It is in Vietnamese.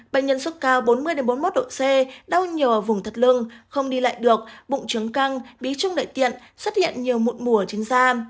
bệnh nhân xuất cao bốn mươi bốn mươi một độ c đau nhiều ở vùng thật lưng không đi lại được bụng trướng căng bí trung đại tiện xuất hiện nhiều mụn mùa trên da